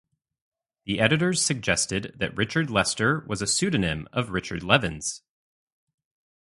The editors suggested that Richard Lester was a pseudonym of Richard Levins.